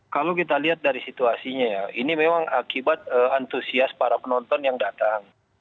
kalau kita lihat dari situasinya ya ini memang akibat antusias para penonton yang datang